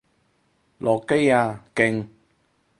落機啊！勁！